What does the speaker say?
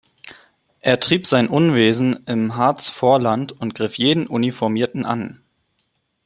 Er trieb sein Unwesen im Harzvorland und griff jeden Uniformierten an.